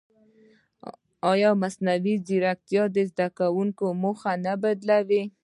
ایا مصنوعي ځیرکتیا د زده کړې موخه نه بدلوي؟